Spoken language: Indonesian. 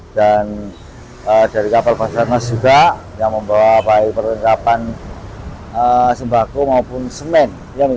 dan dari kapal pasar mas juga yang membawa baik perlengkapan sembako maupun semen